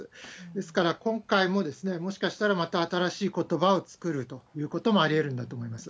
ですから、今回ももしかしたらまた新しいことばを作るということもありえるんだと思います。